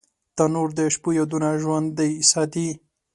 تنور د شپو یادونه ژوندۍ ساتي